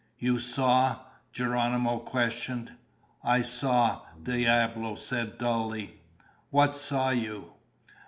"You saw?" Geronimo questioned. "I saw," Diablo said dully. "What saw you?"